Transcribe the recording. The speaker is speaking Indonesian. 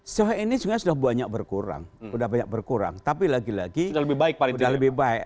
sejauh ini juga sudah banyak berkurang tapi lagi lagi sudah lebih baik